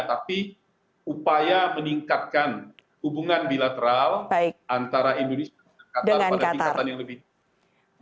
tapi upaya meningkatkan hubungan bilateral antara indonesia dan qatar pada tingkatan yang lebih tinggi